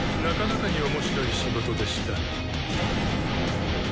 なかなかに面白い仕事でした。